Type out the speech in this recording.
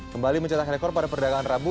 kembali mencetak rekor pada perdagangan rabu